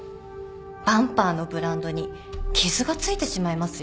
バンパーのブランドに傷が付いてしまいますよ。